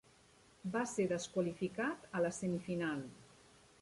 Va ser desqualificat a la semifinal.